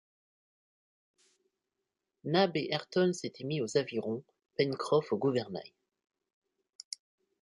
Nab et Ayrton s’étaient mis aux avirons, Pencroff au gouvernail.